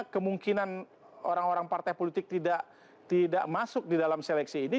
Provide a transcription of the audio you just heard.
kemungkinan orang orang partai politik tidak masuk di dalam seleksi ini